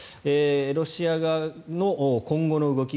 ロシア側の今後の動き